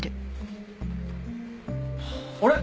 あれ？